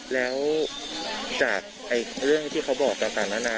แล้วจากเรื่องที่เขาบอกต่างนานา